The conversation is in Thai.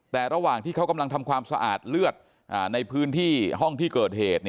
แต่ระหว่างที่เขากำลังทำความสะอาดเลือดในพื้นที่ห้องที่เกิดเหตุ